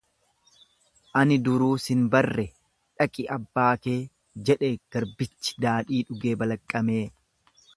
Ani duruu sin barre dhaqi abba kee, jedhe garbichi daadhii dhugee balaqqamee.